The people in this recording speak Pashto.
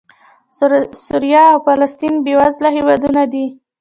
سوریه او فلسطین بېوزله هېوادونه دي.